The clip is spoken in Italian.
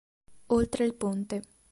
Oltre il ponte